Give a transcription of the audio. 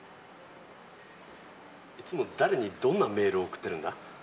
いつも誰にどんなメールを送ってるんだ？